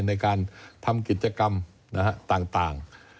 ในการทำกิจกรรมต่าง